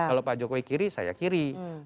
kalau pak jokowi kiri saya kiri